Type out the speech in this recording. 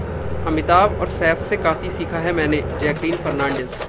अमिताभ और सैफ से काफी सीखा है मैंनेः जैकलीन फर्नांडिस